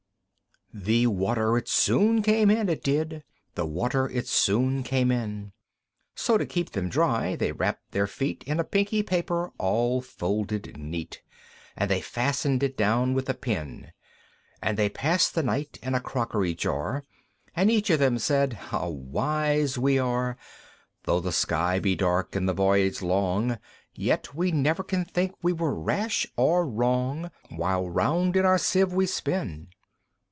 III. The water it soon came in, it did, The water it soon came in; So to keep them dry, they wrapped their feet In a pinky paper all folded neat, And they fastened it down with a pin. And they passed the night in a crockery jar, And each of them said, "How wise we are! Though the sky be dark, and the voyage be long, Yet we never can think we were rash or wrong, While round in our Sieve we spin!"